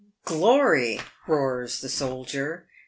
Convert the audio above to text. " Glory," roars the soldier.